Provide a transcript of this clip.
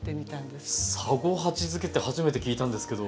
三五八漬けって初めて聞いたんですけど。